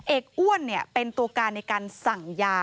อ้วนเป็นตัวการในการสั่งยา